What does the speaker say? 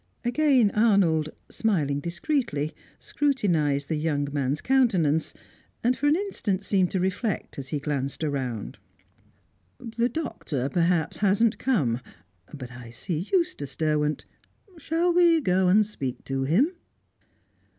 Again Arnold, smiling discreetly, scrutinised the young man's countenance, and for an instant seemed to reflect as he glanced around. "The Doctor perhaps hasn't come. But I see Eustace Derwent. Shall we go and speak to him?"